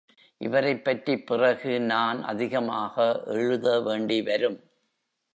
இவரைப் பற்றிப் பிறகு நான் அதிகமாக எழுத வேண்டி வரும்.